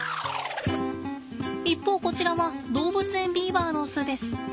一方こちらは動物園ビーバーの巣です。